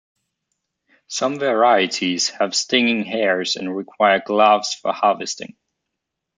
Some varieties have stinging hairs and require gloves for harvesting.